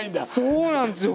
そうなんですよ。